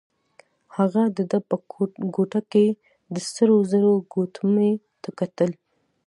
هغه د ده په ګوته کې د سرو زرو ګوتمۍ ته کتل.